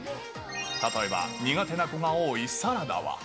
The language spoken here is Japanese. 例えば、苦手な子が多いサラダは。